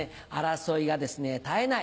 争いが絶えない